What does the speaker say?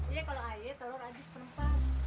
iya kalau aje telur ada seperempat